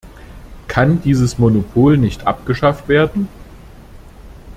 Kann dieses Monopol nicht abgeschafft werden?